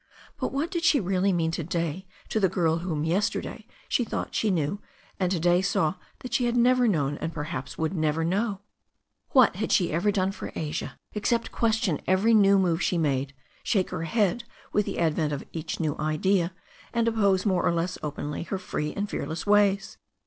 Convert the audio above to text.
But what did she really mean to day to the girl whom yesterday she thought she knew, and to day saw that she had never known and perhaps never would know? What had she ever done for Asia except question every new move she had made^ %V^^k& 350 THE STORY OF A NEW ZEALAND RIVER her head with the advent of each new idea, and oppose more or less openly her free and fearless ways?